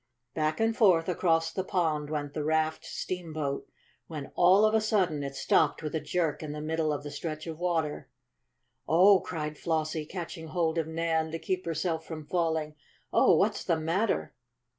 Back and forth across the pond went the raft steamboat when, all of a sudden, it stopped with a jerk in the middle of the stretch of water. "Oh!" cried Flossie, catching hold of Nan to keep herself from falling. "Oh, what's the matter?"